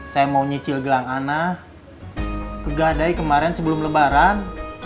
saya mau nyicil gelang anah ke gadai kemarin sebelum lebaran